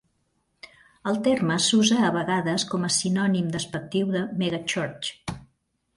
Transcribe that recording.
El terme s'usa a vegades com a sinònim despectiu de "megachurch".